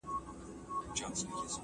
زما په ژوندون كي چي نوم